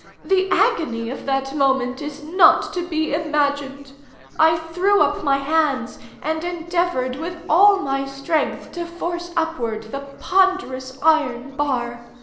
The agony of that moment is not to be imagined. I threw up my hands and endeavored, with all my strength, to force upward the ponderous iron bar.